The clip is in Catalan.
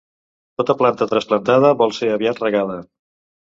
Tota planta trasplantada vol ser aviat regada.